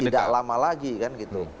tidak lama lagi kan gitu